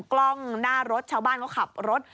กล้องหน้ารถชาวบ้านเขาขับรถ